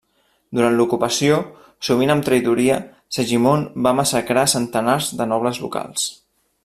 Durant l'ocupació, sovint amb traïdoria, Segimon va massacrar centenars de nobles locals.